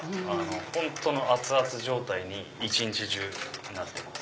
本当の熱々状態に一日中なってます。